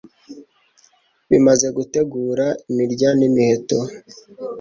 bimaze gutegura imirya n'imiheto